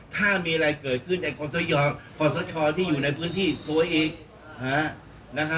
ถ้ามีอะไรเกิดขึ้นในคอสชที่อยู่ในพื้นที่ตัวเอง